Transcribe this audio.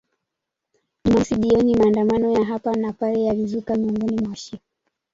Jumamosi jioni maandamano ya hapa na pale yalizuka miongoni mwa washia